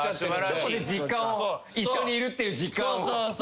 そこで実感を一緒にいるっていう実感を。